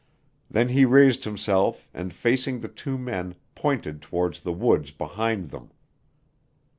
Then he raised himself and facing the two men pointed towards the woods behind them.